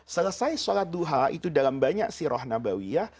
selesai salat duha itu dalam banyak si roh nabawiyah